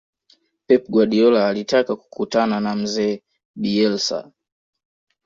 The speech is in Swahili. pep guardiola alitaka kukutana na mzee bielsa